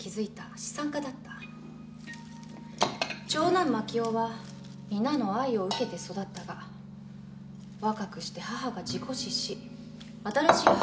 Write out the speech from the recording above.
長男万亀雄は皆の愛を受けて育ったが若くして母が事故死し新しい母親が来た。